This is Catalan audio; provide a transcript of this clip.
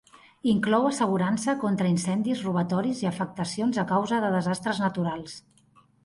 Inclou assegurança contra incendis, robatoris i afectacions a causa de desastres naturals.